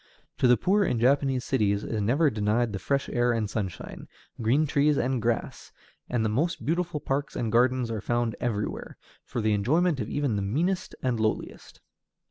To the poor in Japanese cities is never denied the fresh air and sunshine, green trees and grass; and the beautiful parks and gardens are found everywhere, for the enjoyment of even the meanest and lowest.